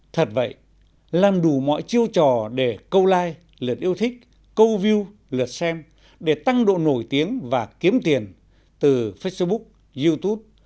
thật vậy làm đủ mọi chiêu trò để câu like lượt yêu thích câu view lượt xem để tăng độ nổi tiếng và kiếm tiền từ facebook youtube